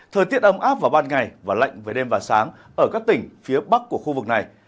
thời tiết ấm áp vào ban ngày và lạnh với đêm và sáng ở các tỉnh phía bắc của khu vực này